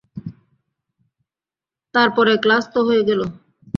তার পরে ক্লাস তো হয়ে গেল।